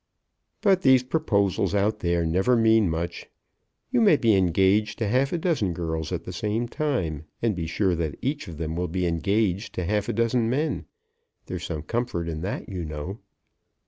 "But these proposals out there never mean much. You may be engaged to half a dozen girls at the same time, and be sure that each of them will be engaged to half a dozen men. There's some comfort in that, you know."